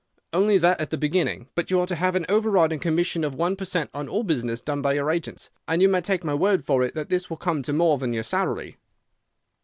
"'Only that at the beginning; but you are to have an overriding commission of one per cent on all business done by your agents, and you may take my word for it that this will come to more than your salary.